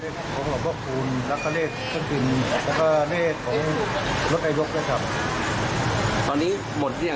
ส่วนมากส่วนใหญ่ก็มาซื้อแต่เลขหลวงพ่อคูณนะคะขายดีมากเลย